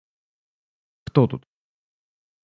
— Кто тут?